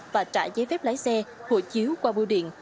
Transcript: và trả giấy phép lái xe hồ chiếu qua bu điện